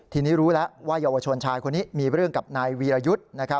ทีนี้รู้แล้วว่าเยาวชนชายคนนี้มีเรื่องกับนายวีรยุทธ์